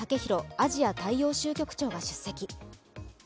アジア大洋州局長が出席。